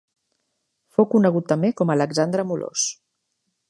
Fou conegut també com a Alexandre Molós.